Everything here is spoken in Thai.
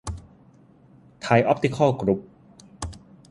ไทยออพติคอล กรุ๊ป